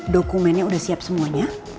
dokumennya udah siap semuanya